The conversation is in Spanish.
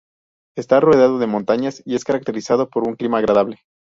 Está rodeado de montañas y es caracterizado por un clima agradable.